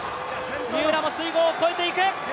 三浦も水濠を越えていく。